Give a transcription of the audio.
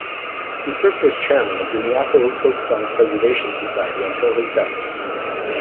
He served as chairman of the Miyako Folk Song Preservation Society until his death.